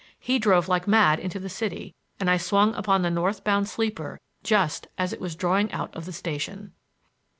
He drove like mad into the city, and I swung upon the north bound sleeper just as it was drawing out of the station.